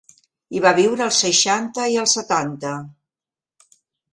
Hi va viure als seixanta i als setanta.